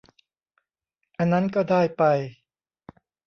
อันนั้นก็ได้ไป